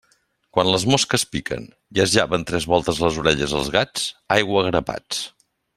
Quan les mosques piquen i es llaven tres voltes les orelles els gats, aigua a grapats.